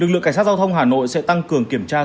lực lượng cảnh sát giao thông hà nội sẽ tăng cường kiểm tra